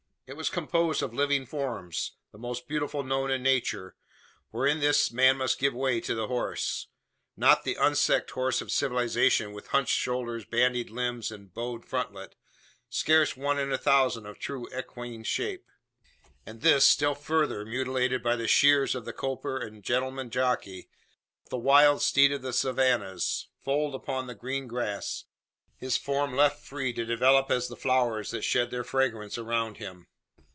It was composed of living forms the most beautiful known in nature: for in this man must give way to the horse. Not the unsexed horse of civilisation, with hunched shoulders, bandied limbs, and bowed frontlet scarce one in a thousand of true equine shape and this, still further, mutilated by the shears of the coper and gentleman jockey but the wild steed of the savannas, foaled upon the green grass, his form left free to develop as the flowers that shed their fragrance around him.